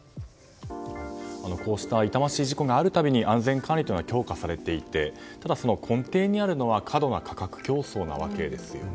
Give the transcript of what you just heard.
こうした痛ましい事故があるたびに安全管理というのは強化されていてただ、根底にあるのは過度な価格競争なわけですよね。